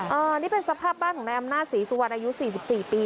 อันนี้เป็นสภาพบ้านของนายอำนาจศรีสุวรรณอายุ๔๔ปี